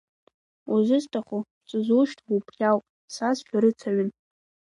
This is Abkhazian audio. Узысҭаху, сызушьҭоу убри ауп, са сшәарыцаҩын.